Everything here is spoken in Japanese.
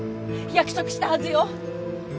約束したはずよ！